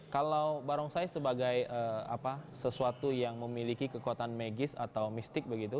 kalau barongsai sebagai sesuatu yang memiliki kekuatan medis atau mistik begitu